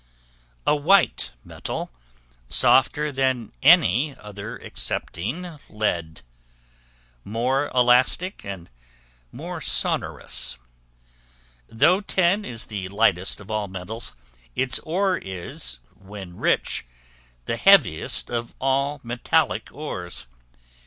A white metal, softer than any other excepting lead, more elastic, and more sonorous. Though tin is the lightest of all metals, its ore is, when rich, the heaviest of all metallic ores.